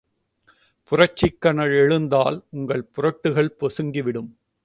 புரட்சிக்கனல் எழுந்தால் உங்கள் புரட்டுகள் பொசுங்கி விடும்.